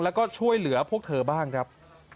แล้วก็ช่วยเหลือพวกเธอบ้างครับ